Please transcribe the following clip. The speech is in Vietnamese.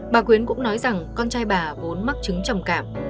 bà quyến cũng nói rằng con trai bà vốn mắc chứng trầm cảm